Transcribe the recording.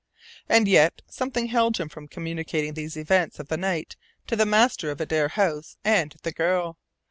And yet something held him from communicating these events of the night to the master of Adare House and the girl.